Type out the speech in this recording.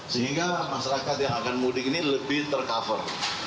sehingga masyarakat yang akan mudik ini lebih tercover